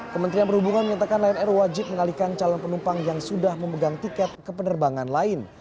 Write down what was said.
kementerian perhubungan menyatakan lion air wajib mengalihkan calon penumpang yang sudah memegang tiket ke penerbangan lain